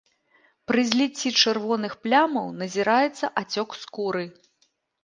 Пры зліцці чырвоных плямаў назіраецца ацёк скуры.